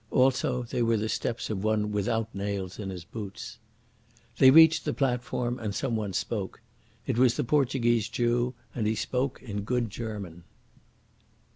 Also they were the steps of one without nails in his boots. They reached the platform and someone spoke. It was the Portuguese Jew and he spoke in good German.